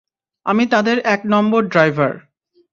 আমি তাদের এক নম্বর ড্রাইভার।